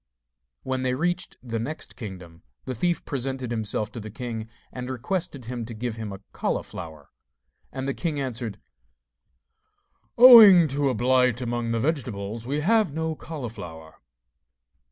When they reached the next kingdom, the thief presented himself to the king, and requested him to give him a cauliflower. And the king answered: 'Owing to a blight among the vegetables we have no cauliflower.